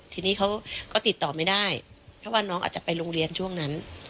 ทีนี้เขาก็ติดต่อไม่ได้เพราะว่าน้องอาจจะไปโรงเรียนช่วงนั้น